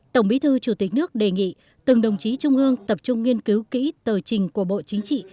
tổng bí thư chủ tịch nước đề nghị từng đồng chí trung ương tập trung nghiên cứu kỹ tờ trình của bộ chính trị